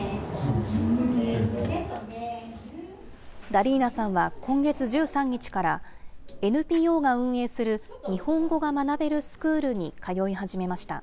ダリーナさんは今月１３日から、ＮＰＯが運営する日本語が学べるスクールに通い始めました。